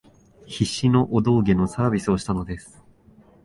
必死のお道化のサービスをしたのです